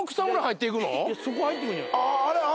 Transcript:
そこ入っていくんじゃない？